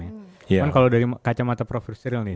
kan kalau dari kacamata prof fustril nih